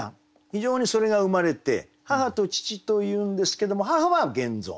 非常にそれが生まれて「母」と「父」というんですけども母は現存。